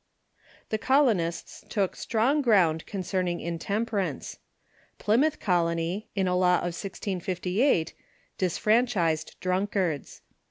] The colonists took strong ground concerning intemperance. Plymouth Colony, in a law of 1658, disfranchised drunkards.